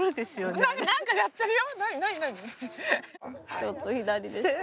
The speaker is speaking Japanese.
ちょっと左でした。